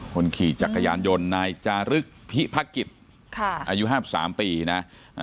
คนขี่จักรยานยนต์นายจารึกพิพกิจค่ะอายุห้าสิบสามปีนะ